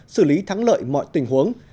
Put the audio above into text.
xử lý thắng lợi mọi tình huống